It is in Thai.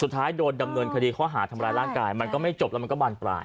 โดนดำเนินคดีข้อหาทำร้ายร่างกายมันก็ไม่จบแล้วมันก็บานปลาย